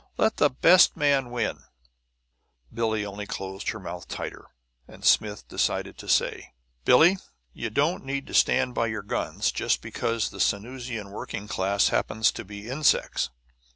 Let the best man win!" Billie only closed her mouth tighter; and Smith decided to say, "Billie, you don't need to stand by your guns just because the Sanusian working class happens to be insects.